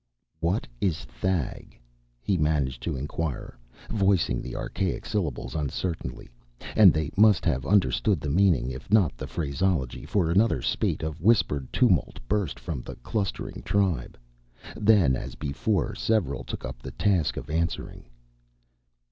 "What is Thag?" he managed to inquire, voicing the archaic syllables uncertainly. And they must have understood the meaning if not the phraseology, for another spate of whispered tumult burst from the clustering tribe. Then, as before, several took up the task of answering.